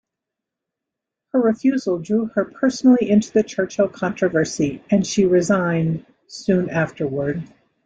Her refusal drew her personally into the Churchill controversy, and she resigned soon afterward.